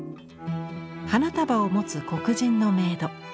花束を持つ黒人のメイド。